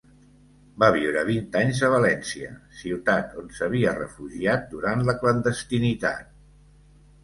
Va viure vint anys a València, ciutat on s'havia refugiat durant la clandestinitat.